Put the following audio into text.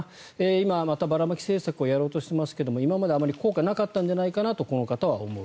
今、またばらまき政策をやろうとしてますが今まであまり効果がなかったんじゃないかなとこの方は思う。